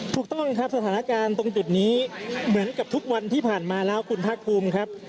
ถูกต้องครับสถานการณ์ตรงจุดนี้เหมือนกับทุกวันที่ผ่านมาแล้วคุณภาคภูมิครับ